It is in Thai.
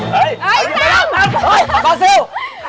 เฮ้ยปล่อยซิล